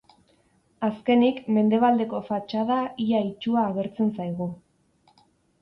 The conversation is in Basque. Azkenik, mendebaldeko fatxada ia itsua agertzen zaigu.